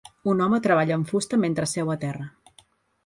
Un home treballa amb fusta mentre seu a terra.